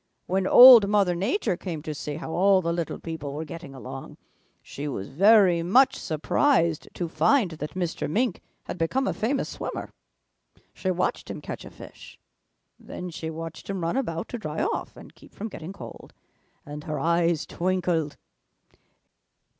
When Old Mother Nature came to see how all the little people were getting along, she was very much surprised to find that Mr. Mink had become a famous swimmer. She watched him catch a fish. Then she watched him run about to dry off and keep from getting cold, and her eyes twinkled.